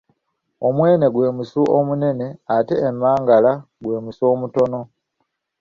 Omwene gwe musu omunene ate emmangala gwe musu omutono.